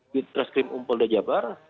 preskrim umpul dan jabar